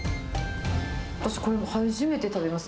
私、これ初めて食べます。